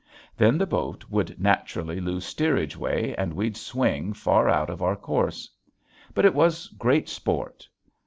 Then the boat would naturally lose steerage way and we'd swing far out of our course. But it was great sport.